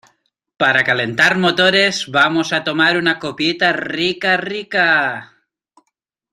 ¡ para calentar motores, vamos a tomar una copita rica , rica!